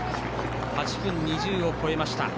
８分２０を超えました。